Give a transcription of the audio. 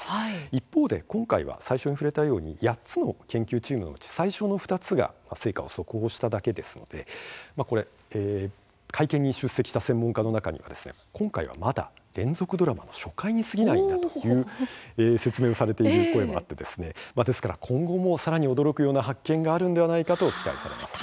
一方で今回は最初に触れたように８つの研究チームのうち最初の２つが成果を速報しただけですので会見に出席した専門家の中には今回は、まだ連続ドラマの初回にすぎないんだという説明をされている声もあってですから、今後もさらに驚くような発見があるのではないかと期待されます。